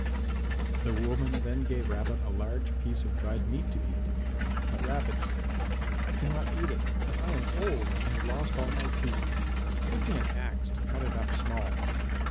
The woman then gave Rabbit a large piece of dried meat to eat. But Rabbit said, "I cannot eat it, for I am old and I have lost all my teeth. Give me an axe to cut it up small."